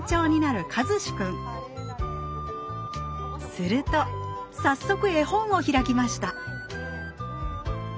すると早速絵本を開きました